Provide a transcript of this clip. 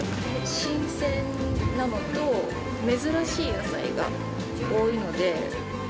新鮮なのと、珍しい野菜が多いので。